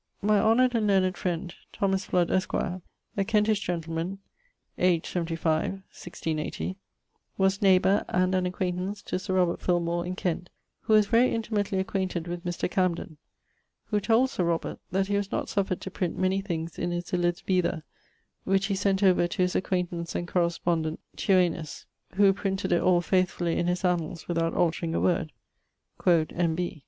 My honoured and learned friend, Thomas Fludd, esq., a Kentish gentleman, ( 75, 1680) was neighbour and an acquaintance to Sir Robert Filmore, in Kent, who was very intimately acquainted with Mr. Camden, who told Sir Robert that he was not suffered to print many things in his Elizabetha, which he sent over to his acquaintance and correspondent Thuanus, who printed it all faithfully in his Annalls without altering a word quod N. B.